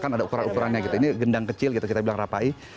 kan ada ukuran ukurannya gitu ini gendang kecil gitu kita bilang rapai